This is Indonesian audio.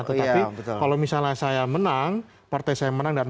tapi kalau misalnya saya menang partai saya menang dan mendapatkan pilihan